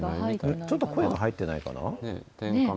ちょっと声が入ってないかな。